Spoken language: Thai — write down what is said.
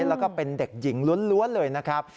แล้วก็เป็นเด็กหญิงล้วนเลยนะครับ